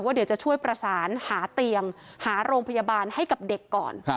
เดี๋ยวจะช่วยประสานหาเตียงหาโรงพยาบาลให้กับเด็กก่อน